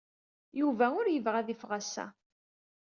Yuba ur yebɣi ad yeffeɣ ass-a.